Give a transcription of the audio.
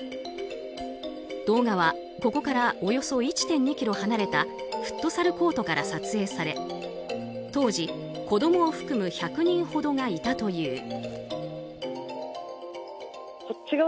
動画は、ここからおよそ１．２ｋｍ離れたフットサルコートから撮影され当時、子供を含む１００人ほどがいたという。